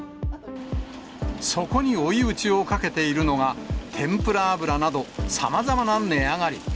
そこに追い打ちをかけているのが、天ぷら油など、さまざまな値上がり。